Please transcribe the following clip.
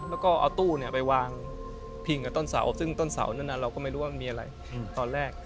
แล้วก็เอาตู้ไปวางพิงกับต้นเสาซึ่งต้นเสานั้นเราก็ไม่รู้ว่ามันมีอะไรตอนแรก